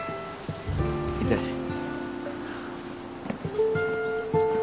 いってらっしゃい。